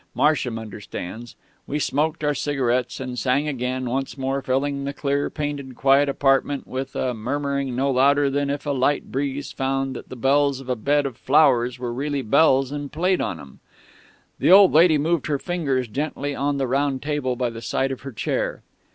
Marsham understands.... We smoked our cigarettes, and sang again, once more filling that clear painted, quiet apartment with a murmuring no louder than if a light breeze found that the bells of a bed of flowers were really bells and played on 'em. The old lady moved her fingers gently on the round table by the side of her chair